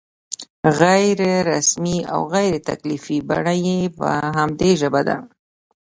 غیر رسمي او غیر تکلفي بڼه یې په همدې ژبه ده.